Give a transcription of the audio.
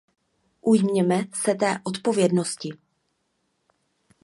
Ujměme se té odpovědnosti!